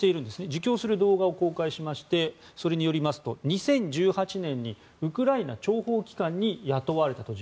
自供する動画を公開しましてそれによりますと２０１８年にウクライナ諜報機関に自分は雇われたと。